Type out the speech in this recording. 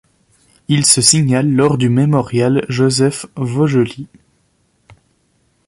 Il se signale lors du Mémorial Josef Voegeli.